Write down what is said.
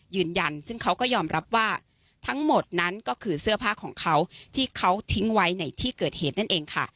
ยืนยันซึ่งเขาก็ยอมรับว่าทั้งหมดนั้นก็คือเสื้อผ้าของเขาที่เขาทิ้งไว้ในที่เกิดเหตุนั่นเองค่ะ